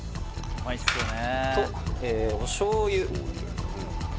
うまいっすよね。